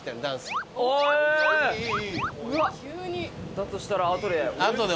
だとしたら後で。